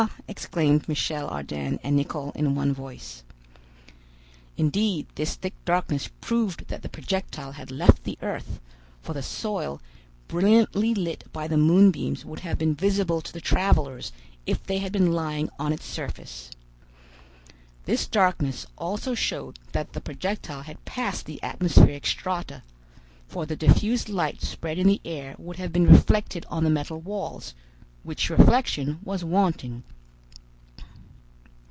exclaimed Michel Ardan and Nicholl in one voice. Indeed, this thick darkness proved that the projectile had left the earth, for the soil, brilliantly lit by the moon beams would have been visible to the travelers, if they had been lying on its surface. This darkness also showed that the projectile had passed the atmospheric strata, for the diffused light spread in the air would have been reflected on the metal walls, which reflection was wanting.